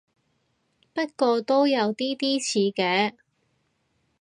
不過都有啲啲似嘅